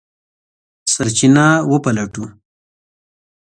سرچینه وپلټو.